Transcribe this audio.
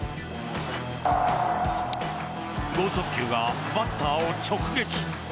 剛速球がバッターを直撃。